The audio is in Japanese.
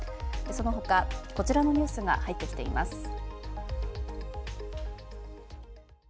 そのほかこちらのニュースが入ってきています。